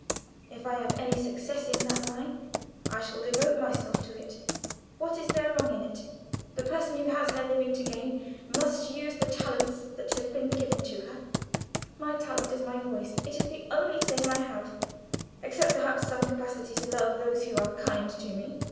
If I have any success in that line, I shall devote myself to it. What is there wrong in it? The person who has her living to gain must use the talents that have been given her. My talent is my voice; it is the only thing I have except, perhaps, some capacity to love those who are kind to me.